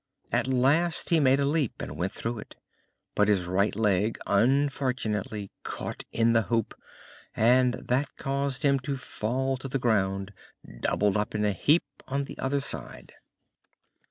At last he made a leap and went through it, but his right leg unfortunately caught in the hoop, and that caused him to fall to the ground doubled up in a heap on the other side.